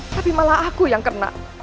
tapi malah aku yang kena